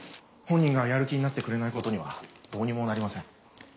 本人がやる気になってくれないことにはどうにもなりません。